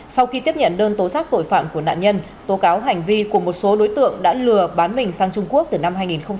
sau khi tiếp nhận đơn tố giác tội phạm của nạn nhân tố cáo hành vi của một số đối tượng đã lừa bán mình sang trung quốc từ năm hai nghìn một mươi ba